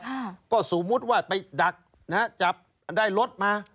ค่ะก็สมมุติว่าไปดักนะฮะจับได้รถมา